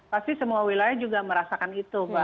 pasti semua wilayah juga merasakan itu mbak